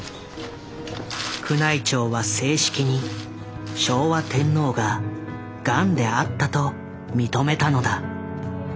宮内庁は正式に「昭和天皇がガンであった」と認めたのだ。